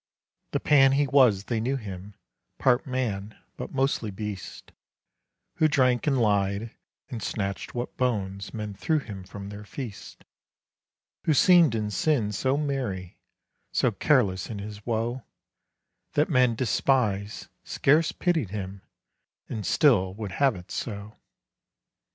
The Pan he was they knew him, Part man, but mostly beast, Who drank, and lied, and snatched what bones Men threw him from their feast; Who seemed in sin so merry, So careless in his woe, That men despised, scarce pitied him, And still would have it so.